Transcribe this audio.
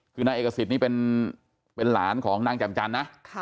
คือนายเอกสิทธิ์นี่เป็นหลานของนางแจ่มจันทร์นะ